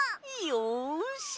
よし。